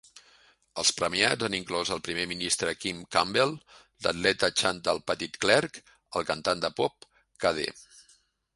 Els premiats han inclòs el primer ministre Kim Campbell, l'atleta Chantal Petitclerc, el cantant de pop k.d.